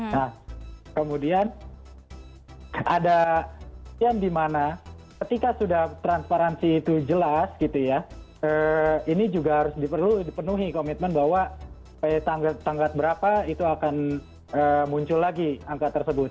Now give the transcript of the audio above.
nah kemudian ada yang dimana ketika sudah transparansi itu jelas gitu ya ini juga harus dipenuhi komitmen bahwa tanggal berapa itu akan muncul lagi angka tersebut